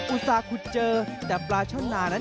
อุตส่าห์คุดเจอแต่ปลาช่อนนานั้น